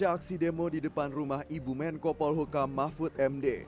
aksi demo di depan rumah ibu menko polhukam mahfud md